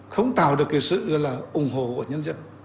không tạo được cái sự là ủng hộ của nhân dân